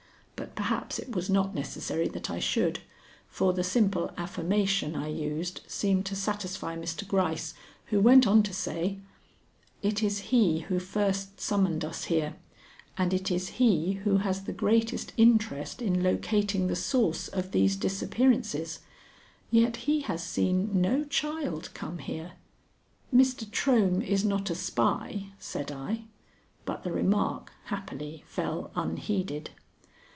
But perhaps it was not necessary that I should, for the simple affirmation I used seemed to satisfy Mr. Gryce, who went on to say: "It is he who first summoned us here, and it is he who has the greatest interest in locating the source of these disappearances, yet he has seen no child come here." "Mr. Trohm is not a spy," said I, but the remark, happily, fell unheeded.